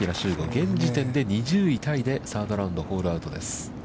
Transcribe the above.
現在２０位タイでサードラウンドホールアウトです。